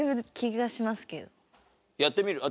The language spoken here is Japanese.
やってみる？